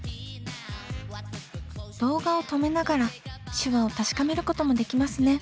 動画を止めながら手話を確かめることもできますね。